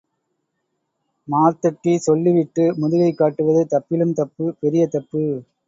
மார்த்தட்டி சொல்லி விட்டு, முதுகை காட்டுவது தப்பிலும் தப்பு... பெரிய தப்பு.